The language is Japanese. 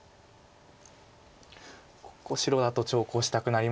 ここ白だと長考したくなります。